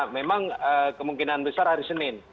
memang kemungkinan besar hari senin